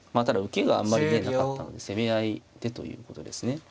ただ受けがあんまりねなかったので攻め合いでということですね。